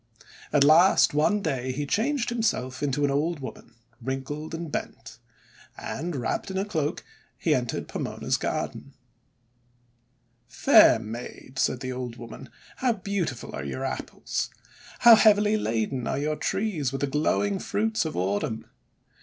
At last, one day, he changed himself into an old woman, wrinkled and bent. And, wrapped in a cloak, he entered Pomona's garden. 436 THE WONDER GARDEN "Fair Maid," said the old woman, "how beautiful are your Apples ! How heavily laden are your trees with the glowing fruits of Autumn